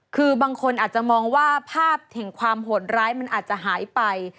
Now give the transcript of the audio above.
คือบางคนอาจจะมองว่าภาพแห่งความโหดร้ายมันอาจจะหายไป